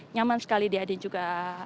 nyaman sekali di adik juga